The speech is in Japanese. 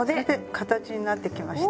形になってきました。